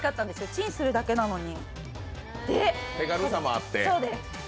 チンするだけなのに。